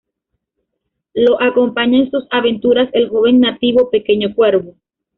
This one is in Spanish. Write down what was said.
Lo acompaña en sus aventuras el joven nativo "Pequeño Cuervo".